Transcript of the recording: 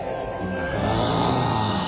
ああ。